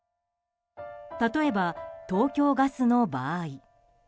例えば、東京ガスの場合。